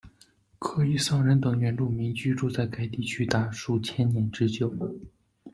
科伊桑人等原住民居住在该地区达数千年之久。